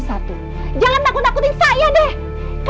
ini armies k loto yang cuma buking barik barik itu